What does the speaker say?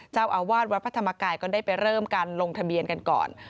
เจ้าอาวาสวัดพระธรรมกายก็ได้ไปเริ่มการลงทะเบียนกันก่อน